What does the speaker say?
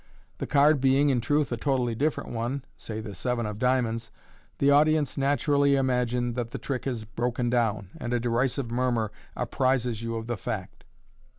The card being, in truth, a totally different one (say the seven of diamonds), the audience naturally imagine that the trick has broken down, and a derisive murmur apprises you of the fact.